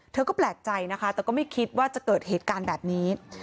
เธอก็แปลกใจนะคะแต่ก็ไม่คิดว่าจะเกิดเหตุการณ์แบบนี้